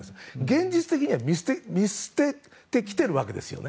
現実的には見捨ててきているわけですよね。